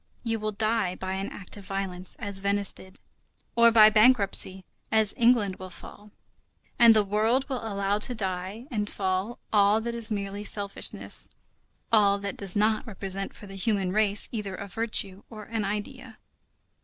You will die by an act of violence, as Venice died, or by bankruptcy, as England will fall. And the world will allow to die and fall all that is merely selfishness, all that does not represent for the human race either a virtue or an idea.